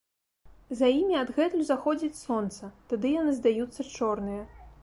За імі адгэтуль заходзіць сонца, тады яны здаюцца чорныя.